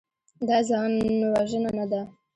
دا ځانوژنه نه ده.